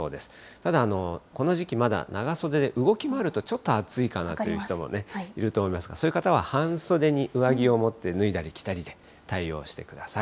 ただ、この時期まだ長袖で動き回るとちょっと暑いかなっていう人もいると思いますが、そういう方は半袖に上着を持って脱いだり着たりで対応してください。